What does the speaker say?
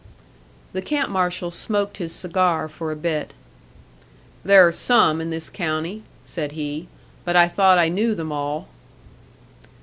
The camp marshal smoked his cigar for a bit. "There are some in this county," said he. "But I thought I knew them all."